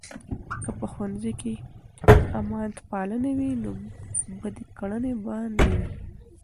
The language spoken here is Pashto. که په ښوونځۍ کې امانتپالنه وي، نو بدې کړنې به نه وي.